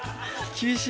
厳しい。